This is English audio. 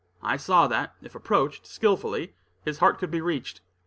I saw that, if approached skillfully, his heart could be reached.